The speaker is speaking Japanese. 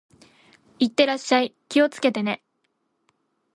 行ってらっしゃい。気をつけてね。